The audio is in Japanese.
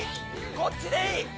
こっちでいい。